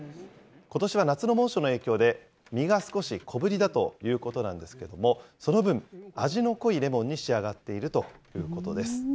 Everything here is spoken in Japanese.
ことしは夏の猛暑の影響で、実が少し小ぶりだということなんですけども、その分、味の濃いレモンに仕上がっているということです。